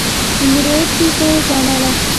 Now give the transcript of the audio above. د میرویس نیکه یې ګڼله.